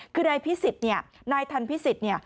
คือนายธัณฑ์พิสิตต์